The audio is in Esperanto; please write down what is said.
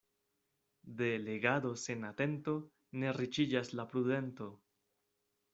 De legado sen atento ne riĉiĝas la prudento.